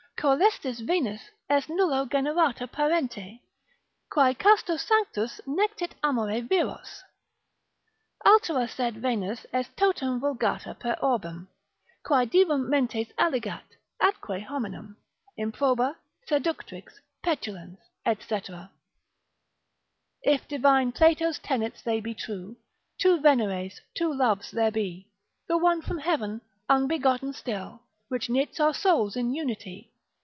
Coelestis Venus est nullo generata parente, Quae casto sanctos nectit amore viros. Altera sed Venus est totum vulgata per orbem, Quae divum mentes alligat, atque hominum; Improba, seductrix, petulans, &c. If divine Plato's tenets they be true, Two Veneres, two loves there be, The one from heaven, unbegotten still, Which knits our souls in unity.